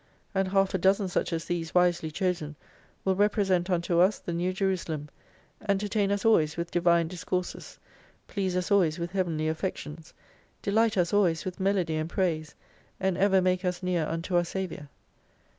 And half a dozen such as these wisely chosen will represent unto us the New Jeru salem, entertain us always with divine discourses please us always with Heavenly affections, delight us always with melody and praise, and ever make us near unto our Saviour.